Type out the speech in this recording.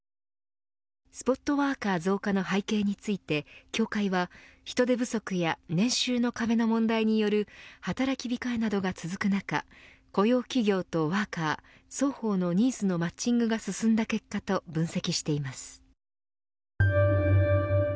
スポットワーカー増加の背景について協会は人手不足や年収の壁の問題による働き控えなどが続く中雇用企業とワーカー双方のニーズのマッチングが進んだ結果と分析しています。